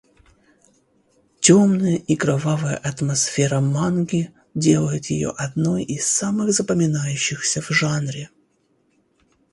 Темная и кровавая атмосфера манги делает ее одной из самых запоминающихся в жанре.